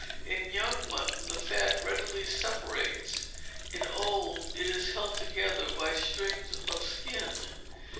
In young mutton, the fat readily separates; in old, it is held together by strings of skin.